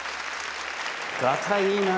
ガタイいいな。